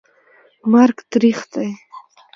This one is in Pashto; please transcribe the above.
مرګ تریخ دي